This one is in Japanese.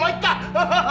アハハハ！